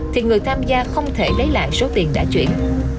thì người tham gia không thể lấy lại số tiền đã chuyển